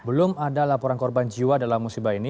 belum ada laporan korban jiwa dalam musibah ini